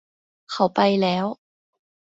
เขาไปแล้ว.